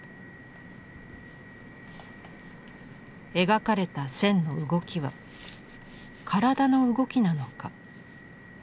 描かれた線の動きは身体の動きなのか？